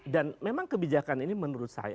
dan memang kebijakan ini menurut saya